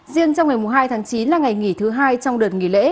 riêng trong ngày hai tháng chín là ngày nghỉ thứ hai trong đợt nghỉ lễ